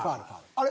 あれ？